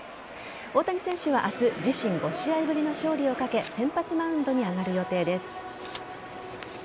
大谷選手は明日自身５試合ぶりの勝利をかけ先発マウンドに上がる予定です。